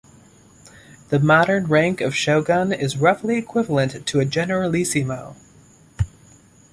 The modern rank of shogun is roughly equivalent to a generalissimo.